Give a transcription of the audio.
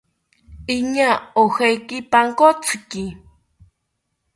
Iñaa ojeki pankotziki